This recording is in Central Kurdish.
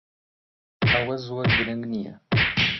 ئەوە زۆر گرنگ نییە.